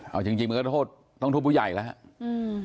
เอาจริงมันก็โทษต้องโทษผู้ใหญ่แล้วครับ